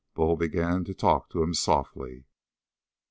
Bull began to talk to him softly.